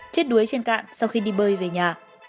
chết đuối trên cạn sau khi đi bơi về nhà